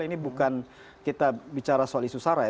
ini bukan kita bicara soal isu sarai